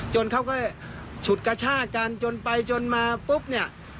เขาก็ฉุดกระชากันจนไปจนมาปุ๊บเนี่ย